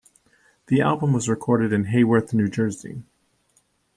The album was recorded in Haworth, New Jersey.